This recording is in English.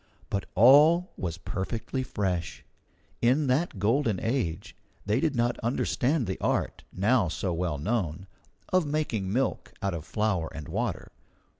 But all was perfectly fresh. In that golden age they did not understand the art, now so well known, of making milk out of flour and water.